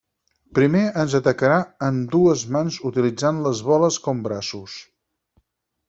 Primer ens atacarà amb dues mans utilitzant les boles com braços.